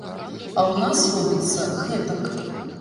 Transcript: А ў нас робіцца гэтак.